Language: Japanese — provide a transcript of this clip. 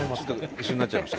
一緒になっちゃいました。